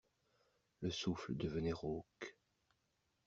Le souffle devenait rauque.